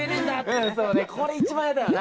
うんこれ一番嫌だよな。